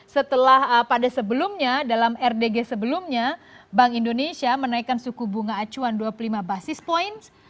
setelah pada sebelumnya dalam rdg sebelumnya bank indonesia menaikkan suku bunga acuan dua puluh lima basis points